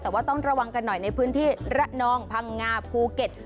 แต่ว่าต้องระวังกันหน่อยในพื้นที่ระนองพังงาภูเก็ต